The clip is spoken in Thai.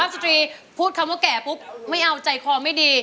เราก็มาแล้วทำงานไม่ได้